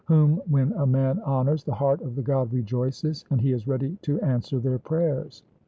whom when a man honours, the heart of the God rejoices, and he is ready to answer their prayers.